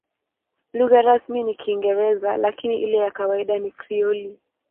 Lugha rasmi ni Kiingereza, lakini ile ya kawaida ni Krioli.